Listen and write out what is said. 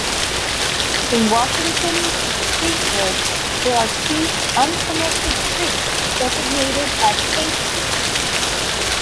In Washington's street grid there are two unconnected streets designated as K Street.